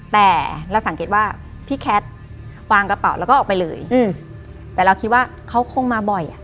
แต่เราสังเกตว่าพี่แคทวางกระเป๋าแล้วก็ออกไปเลยอืมแต่เราคิดว่าเขาคงมาบ่อยอ่ะ